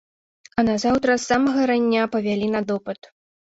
А назаўтра з самага рання павялі на допыт.